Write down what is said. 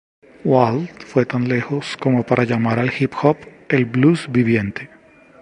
Wald fue tan lejos como para llamar al hip hop "el blues viviente".